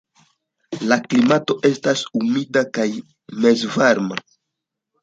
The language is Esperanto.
La klimato estas humida kaj mezvarma.